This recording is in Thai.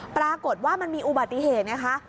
ปรากฏว่ามันมีอุบัติเหตุไงคะ